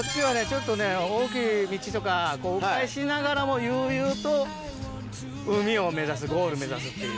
ちょっとね大きい道とかこう迂回しながらも悠々と海を目指すゴール目指すっていう。